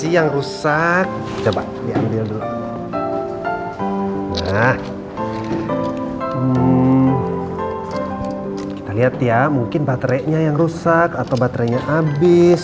ya mungkin baterainya yang rusak atau baterainya habis